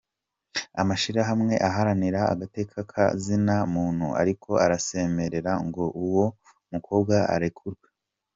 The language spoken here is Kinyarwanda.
Amashirahamwe aharanira agateka ka zina muntu ariko arasemerera ngo uwo mukobwa arekurwe.